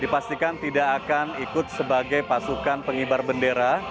dipastikan tidak akan ikut sebagai pasukan pengibar bendera